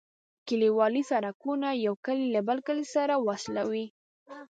کليوالي سرکونه یو کلی له بل کلي سره وصلوي